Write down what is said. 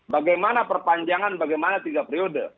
bagaimana perpanjangan bagaimana tiga periode